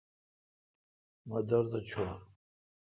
مہ دورتھ چھور۔